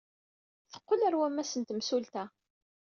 Teqqel ɣer wammas n temsulta.